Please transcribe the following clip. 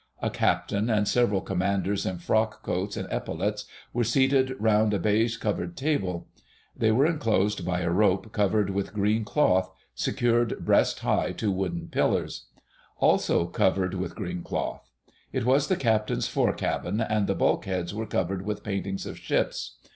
A Captain and several Commanders in frock coats and epaulettes were seated round a baize covered table; they were enclosed by a rope covered with green cloth, secured breast high to wooden pillars, also covered with green cloth. It was the Captain's fore cabin, and the bulkheads were covered with paintings of ships.